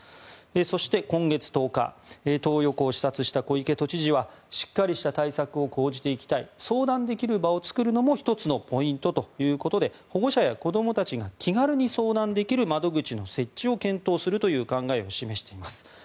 そして、今月１０日トー横を視察した小池都知事はしっかりした対策を講じていきたい相談できる場を作るのも１つのポイントということで保護者や子どもたちが気軽に相談できる窓口の設置を検討するという考えを示しています。